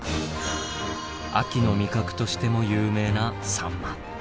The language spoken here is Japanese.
秋の味覚としても有名なサンマ。